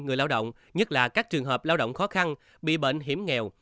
người lao động nhất là các trường hợp lao động khó khăn bị bệnh hiểm nghèo